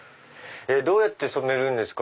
どうやって染めるんですか？